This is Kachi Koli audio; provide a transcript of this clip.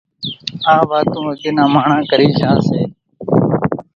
آ واتون اڳيَ نان ماڻۿان ڪرِي جھان سي۔